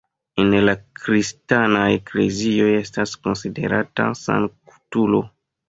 En la kristanaj eklezioj estas konsiderata sanktulo.